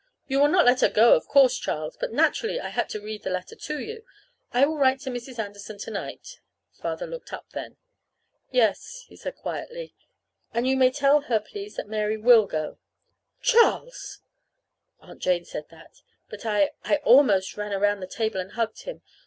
"You will not let her go, of course, Charles; but naturally I had to read the letter to you. I will write to Mrs. Anderson to night." Father looked up then. "Yes," he said quietly; "and you may tell her, please, that Mary will go." "Charles!" Aunt Jane said that. But I I almost ran around the table and hugged him.